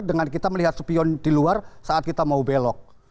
dengan kita melihat supion di luar saat kita mau belok